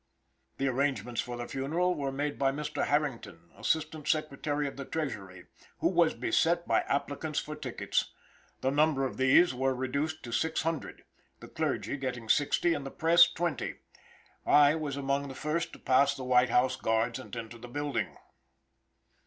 The arrangements for the funeral were made by Mr. Harrington, Assistant Secretary of the Treasury, who was beset by applicants for tickets. The number of these were reduced to six hundred, the clergy getting sixty and the press twenty. I was among the first to pass the White House guards and enter the building.